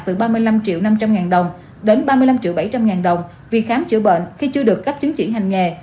từ ba mươi năm triệu năm trăm linh ngàn đồng đến ba mươi năm triệu bảy trăm linh ngàn đồng vì khám chữa bệnh khi chưa được cấp chứng chỉ hành nghề